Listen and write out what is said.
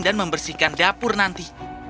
dan membersihkan dapur nanti